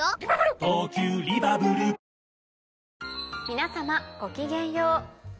皆様ごきげんよう。